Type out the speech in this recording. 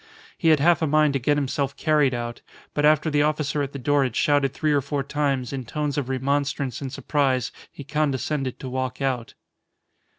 He had half a mind to get himself carried out, but after the officer at the door had shouted three or four times in tones of remonstrance and surprise he condescended to walk out.